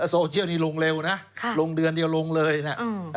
โซเชียลนี้ลงเร็วนะลงเดือนเดียวลงเลยนะ